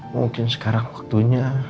mungkin sekarang waktunya